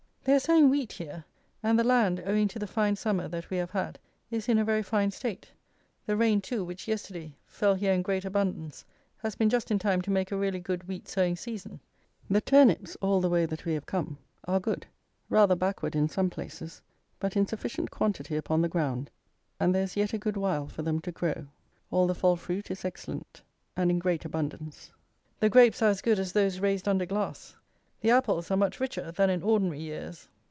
They are sowing wheat here, and the land, owing to the fine summer that we have had, is in a very fine state. The rain, too, which, yesterday, fell here in great abundance, has been just in time to make a really good wheat sowing season. The turnips, all the way that we have come, are good. Rather backward in some places; but in sufficient quantity upon the ground, and there is yet a good while for them to grow. All the fall fruit is excellent, and in great abundance. The grapes are as good as those raised under glass. The apples are much richer than in ordinary years.